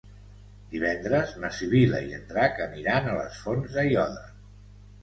Divendres na Sibil·la i en Drac aniran a les Fonts d'Aiòder.